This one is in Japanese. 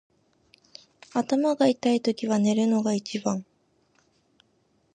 頭が痛いときは寝るのが一番。